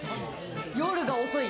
夜が遅い。